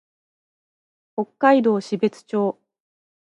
北海道標津町